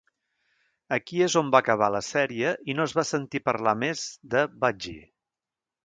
Aquí és on va acabar la sèrie i no es va sentir a parlar més de Budgie.